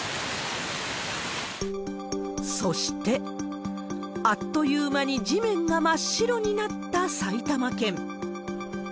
そして、あっという間に地面が真っ白になった埼玉県。